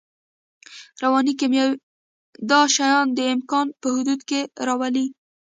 رواني کیمیا دا شیان د امکان په حدودو کې راولي